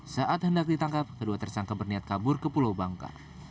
saat hendak ditangkap kedua tersangka berniat kabur ke pulau bangka